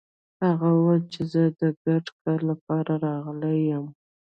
هغه ويل چې زه د ګډ کار لپاره راغلی يم.